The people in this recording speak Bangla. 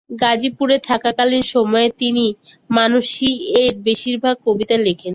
গাজীপুরে থাকাকালীন সময়ে তিনি "মানসী"-এর বেশিরভাগ কবিতা লেখেন।